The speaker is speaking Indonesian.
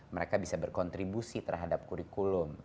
mereka bisa berkontribusi terhadap kurikulum